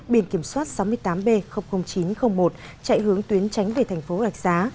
biển kiểm soát sáu mươi tám b chín trăm linh một chạy hướng tuyến tránh về thành phố rạch giá